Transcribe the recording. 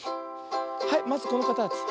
はいまずこのかたち。